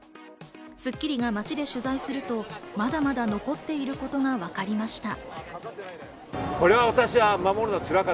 『スッキリ』が街で取材するとまだまだ残っていることがわかりました。